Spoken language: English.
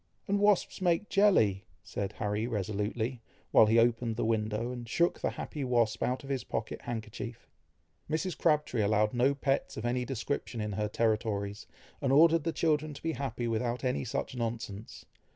"And wasps make jelly!" said Harry resolutely, while he opened the window, and shook the happy wasp out of his pocket handkerchief. Mrs. Crabtree allowed no pets of any description in her territories, and ordered the children to be happy without any such nonsense.